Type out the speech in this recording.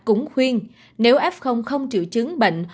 cũng khuyên nếu f không triệu chứng bệnh